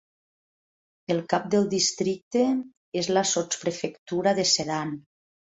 El cap del districte és la sotsprefectura de Sedan.